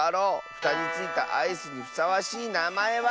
ふたについたアイスにふさわしいなまえは。